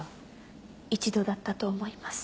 １度だったと思います。